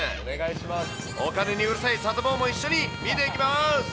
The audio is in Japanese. お金にうるさいサタボーも一緒に見ていきます。